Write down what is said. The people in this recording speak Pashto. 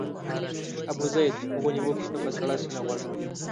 ابوزید هغو نیوکو ته په سړه سینه غوږ ونیو.